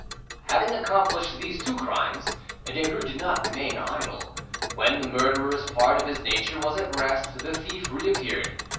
Having accomplished these two crimes, Derues did not remain idle. When the murderer's part of his nature was at rest, the thief reappeared.